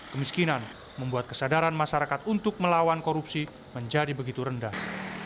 kemiskinan membuat kesadaran masyarakat untuk melawan korupsi menjadi begitu rendah